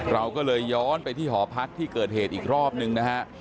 เราก็เลยย้อนไปที่หอพักที่เกิดเหตุอีกรอบนึงนะฮะ